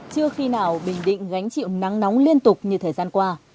chưa khi nào bình định gánh chịu nắng nóng liên tục như thời gian qua